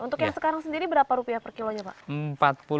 untuk yang sekarang sendiri berapa rupiah per kilonya pak